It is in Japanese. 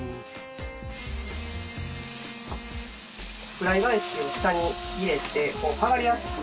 フライ返しを下に入れてこう剥がれやすく。